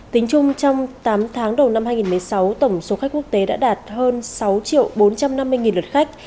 tính chung trong tám tháng đầu năm hai nghìn một mươi sáu tổng số khách quốc tế đã đạt hơn sáu bốn trăm năm mươi lượt khách